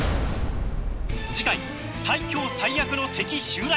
次回最強最悪の敵襲来！